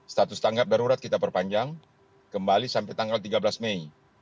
status tanggap darurat kita perpanjang kembali sampai tanggal tiga belas mei